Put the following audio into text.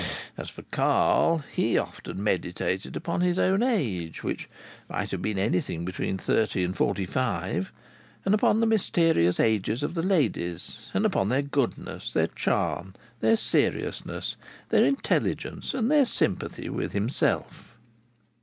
As for Carl, he often meditated upon his own age, which might have been anything between thirty and forty five, and upon the mysterious ages of the ladies, and upon their goodness, their charm, their seriousness, their intelligence and their sympathy with himself.